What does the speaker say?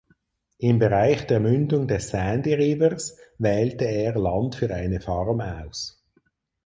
Im Bereich der Mündung des Sandy Rivers wählte er Land für eine Farm aus.